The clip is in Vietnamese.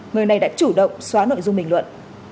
người này đã chủ động xóa nội dung bình luận